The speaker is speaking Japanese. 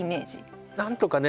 なんとかね